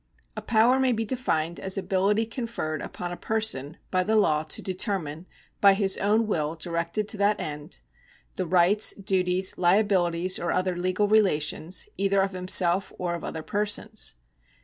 ^ A power may be defined as ability conferred upon a person by the law to determine, by his own will directed to that end, the rights, duties, liabilities, or other legal relations, either of himself or of other persons.